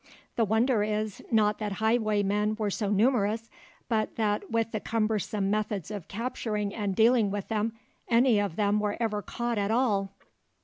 The wonder is not that highwaymen were so numerous, but that, with the cumbersome methods of capturing and dealing with them, any of them were ever caught at all.